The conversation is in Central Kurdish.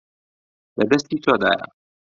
لە دەستی تۆدایە.